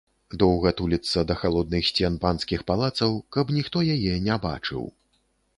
Доўга туліцца да халодных сцен панскіх палацаў, каб ніхто яе не бачыў.